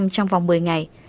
năm mươi trong vòng một mươi ngày